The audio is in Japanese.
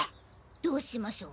どうしましょう。